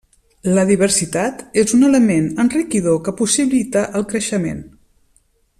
La diversitat és un element enriquidor que possibilita el creixement.